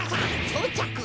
そうちゃく！